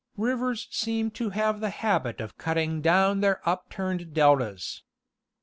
Rivers seem to have the habit of cutting down their upturned deltas.